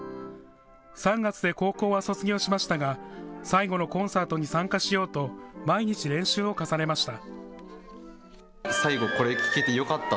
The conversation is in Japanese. ３月で高校は卒業しましたが最後のコンサートに参加しようと毎日、練習を重ねました。